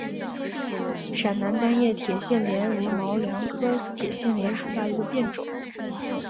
陕南单叶铁线莲为毛茛科铁线莲属下的一个变种。